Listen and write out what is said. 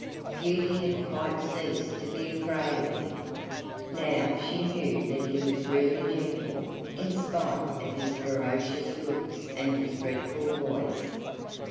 Beauty had quite ceased to be afraid of him. Now she knew that he was really gentle in spite of his ferocious looks and his dreadful voice.